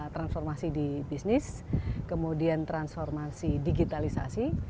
transformasi di bisnis kemudian transformasi digitalisasi